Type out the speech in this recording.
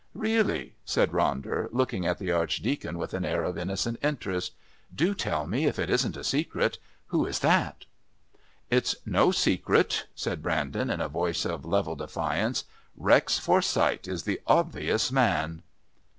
"Really!" said Ronder, looking at the Archdeacon with an air of innocent interest. "Do tell me, if it isn't a secret, who that is." "It's no secret," said Brandon in a voice of level defiance. "Rex Forsyth is the obvious man."